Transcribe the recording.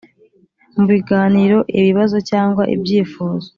Mu Biganiro Ibibazo Cyangwa Ibyifuzo